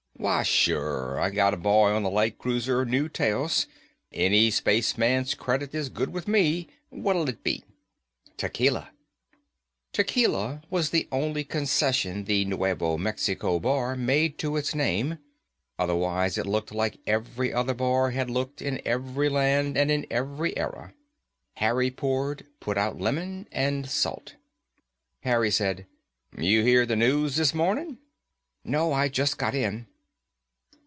"Why, sure. I got a boy on the light cruiser New Taos. Any spaceman's credit is good with me. What'll it be?" "Tequila." Tequila was the only concession the Nuevo Mexico Bar made to its name. Otherwise, it looked like every other bar has looked in every land and in every era. Harry poured, put out lemon and salt. Harry said, "You hear the news this morning?" "No, I just got in."